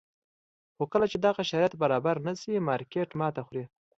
خو کله چې دغه شرایط برابر نه شي مارکېټ ماتې خوري.